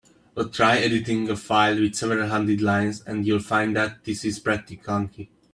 But try editing a file with several hundred lines, and you'll find that this is pretty clunky.